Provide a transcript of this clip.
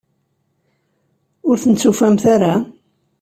Ur tent-tufamt ara?